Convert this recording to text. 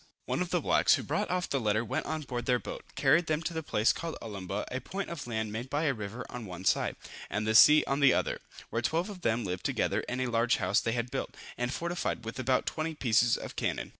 One of the blacks, who brought off the letter went on board their boat, carried them to the place called Olumbah, a point of land made by a river on one side, and the sea on the other, where twelve of them lived together in a large house they had built, and fortified with about twenty pieces of cannon.